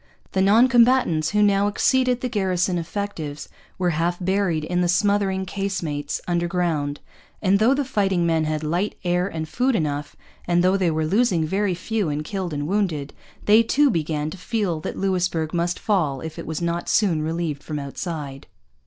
The non combatants, who now exceeded the garrison effectives, were half buried in the smothering casemates underground; and though the fighting men had light, air, and food enough, and though they were losing very few in killed and wounded, they too began to feel that Louisbourg must fall if it was not soon relieved from outside.